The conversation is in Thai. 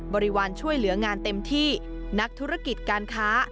บริวารช่วยเหลืองานเต็มที่นักธุรกิจการค้า